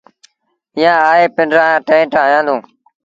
ايٚئآن آئي پنڊرآ ٽيٚنٽ هنيآندون۔